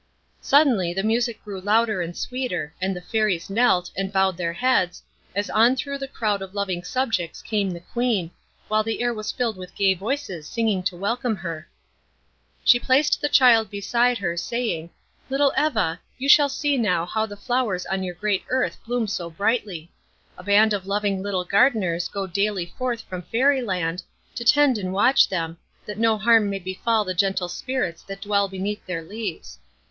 Suddenly the music grew louder and sweeter, and the Fairies knelt, and bowed their heads, as on through the crowd of loving subjects came the Queen, while the air was filled with gay voices singing to welcome her. She placed the child beside her, saying, "Little Eva, you shall see now how the flowers on your great earth bloom so brightly. A band of loving little gardeners go daily forth from Fairy Land, to tend and watch them, that no harm may befall the gentle spirits that dwell beneath their leaves.